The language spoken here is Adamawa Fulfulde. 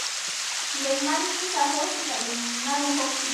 Nden Mal Iisa hoosi paɗe mon nanu hokki Diya.